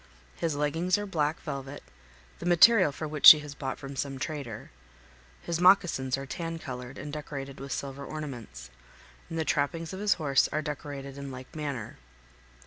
His leggings are black velvet, the material for which he has bought from some trader; his moccasins are tan colored and decorated with silver ornaments, and the trappings of his horse are decorated in like manner.